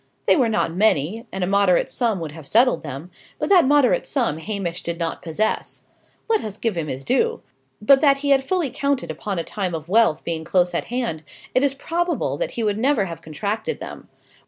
They were not many, and a moderate sum would have settled them; but that moderate sum Hamish did not possess. Let us give him his due. But that he had fully counted upon a time of wealth being close at hand, it is probable that he never would have contracted them.